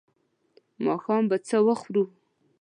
ماښام به څه وخورو؟